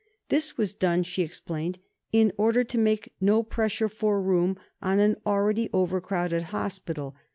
"This was done," she explained, "in order to make no pressure for room on an already overcrowded hospital.